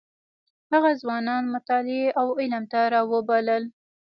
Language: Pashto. هغه ځوانان مطالعې او علم ته راوبلل.